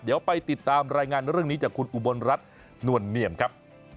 เดี๋ยวไปติดตามรายงานเรื่องนี้จากคุณอุบลรัฐนวลเนียมครับ